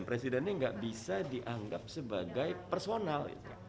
presidennya nggak bisa dianggap sebagai personal